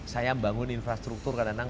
saya membangun infrastruktur karena